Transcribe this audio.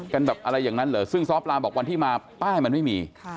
กันแบบอะไรอย่างนั้นเหรอซึ่งซ้อปลาบอกวันที่มาป้ายมันไม่มี